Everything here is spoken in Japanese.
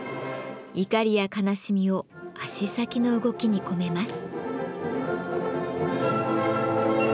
怒りや悲しみを足先の動きに込めます。